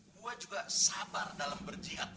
gua juga sabar dalam berjihad